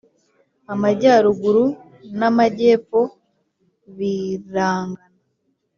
Amajyaruguru na majyepfo birangana.